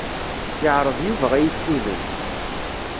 Yeɛṛeḍ Yuba ad iyi-ssuden.